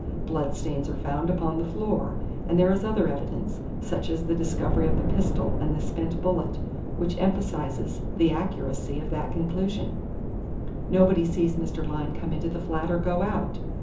Bloodstains are found upon the floor, and there is other evidence, such as the discovery of the pistol and the spent bullet, which emphasises the accuracy of that conclusion. Nobody sees Mr. Lyne come into the flat or go out.